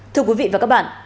thưa quý vị và các bạn